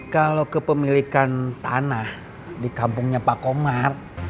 kalau kepemilikan tanah di kampungnya pak komar